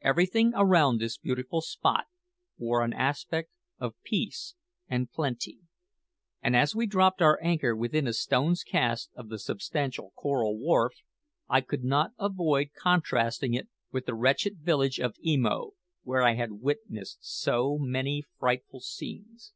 Everything around this beautiful spot wore an aspect of peace and plenty; and as we dropped our anchor within a stone's cast of the substantial coral wharf, I could not avoid contrasting it with the wretched village of Emo, where I had witnessed so many frightful scenes.